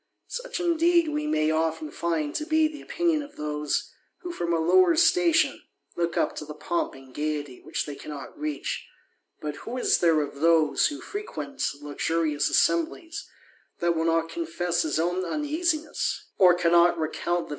Such, indeed, we may often find to ^he opinion of those, who from a lower station look up . ^Ije pomp and gayety which they cannot reach : but who . ^liere of those who frequent luxurious assemblies, that ^^^ not confess his own uneasiness, or cannot recount the 17 258 THE ADVENTURER.